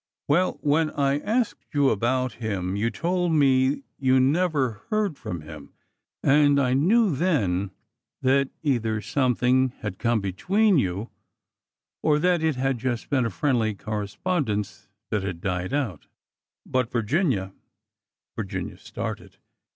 '' Well, when I asked you about him you told me that you never heard from him, and I knew then that either something had come between you or that it had just been a friendly correspondence that had died out. But, Vir ginia,—" Virginia started.